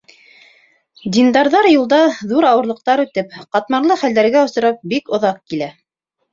Диндарҙар юлда ҙур ауырлыҡтарҙы үтеп, ҡатмарлы хәлдәргә осрап, бик оҙаҡ килә.